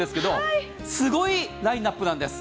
すごいラインナップなんです。